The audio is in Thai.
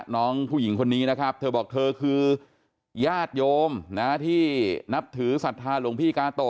น้องผู้หญิงคนนี้นะครับเธอบอกเธอคือญาติโยมที่นับถือศรัทธาหลวงพี่กาโต